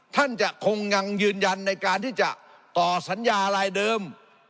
ท่านจะคงยังยืนยันในการที่จะต่อสัญญารายเดิม